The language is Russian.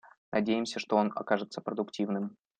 Надеемся, что он окажется продуктивным.